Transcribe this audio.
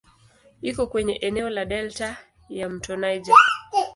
Iko kwenye eneo la delta ya "mto Niger".